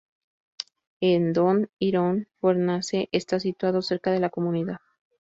Endor Iron Furnace está situado cerca de la comunidad.